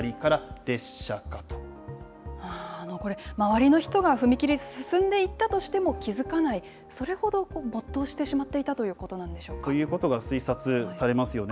これ、周りの人が踏切進んでいったとしても、気付かない、それほど没頭してしまっていたといということが推察されますよね。